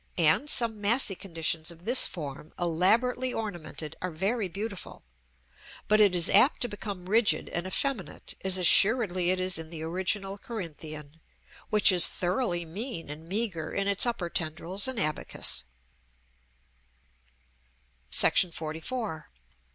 and some massy conditions of this form, elaborately ornamented, are very beautiful; but it is apt to become rigid and effeminate, as assuredly it is in the original Corinthian, which is thoroughly mean and meagre in its upper tendrils and abacus. § XLIV.